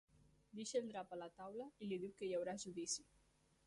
Deixa el drap a la taula i li diu que hi haurà judici.